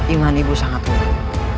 iman ibu sangat mudah